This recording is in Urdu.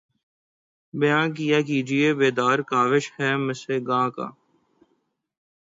بیاں کیا کیجیے بیداد کاوش ہائے مژگاں کا